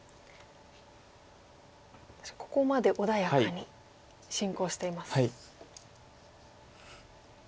ここまで穏やかに進行しています。